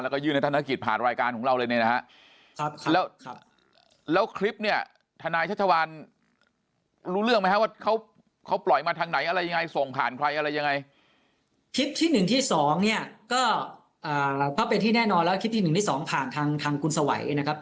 ก็พบเป็นที่แน่นอนแล้วคลิปที่๑ที่๒ผ่านทางทางคุณสวัยนะครับ